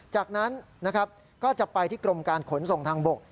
จากนั้นนะครับก็จะไปที่กรมการขนส่งทางบก